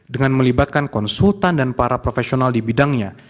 dengan melibatkan konsultan dan para profesional di bidangnya